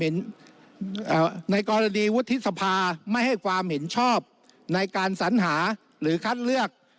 ในกรณีวุฒิสภาไม่ให้ความเห็นชอบในการสัญหาหรือคัดเลือก